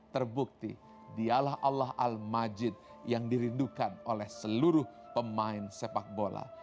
terbukti dialah allah al majid yang dirindukan oleh seluruh pemain sepak bola